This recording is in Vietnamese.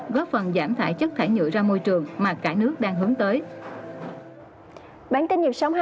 góp phần giảm thải chất thải nhựa ra môi trường mà cả nước đang hướng tới